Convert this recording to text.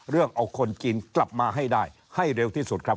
เรื่องเอาคนจีนกลับมาให้ได้ให้เร็วที่สุดครับ